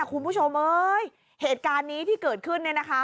คุณผู้ชมเอ้ยเหตุการณ์นี้ที่เกิดขึ้นเนี่ยนะคะ